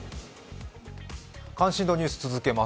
関心度ニュース、続けます。